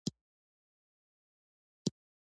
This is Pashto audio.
اوښ د افغانانو د فرهنګي پیژندنې برخه ده.